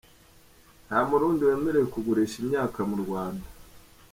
Nta murundi wemerewe kugurisha imyaka mu Rwanda.